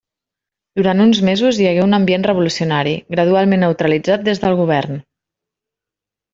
Durant uns mesos hi hagué un ambient revolucionari, gradualment neutralitzat des del govern.